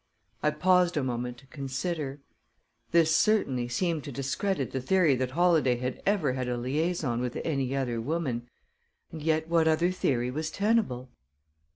I paused a moment to consider. This, certainly, seemed to discredit the theory that Holladay had ever had a liaison with any other woman, and yet what other theory was tenable?